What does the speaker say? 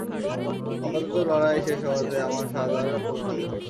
আপাতত লড়াই শেষ হওয়াতে আমার সাধ আর পূরণ হল না।